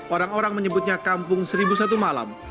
orang orang menyebutnya kampung seribu satu malam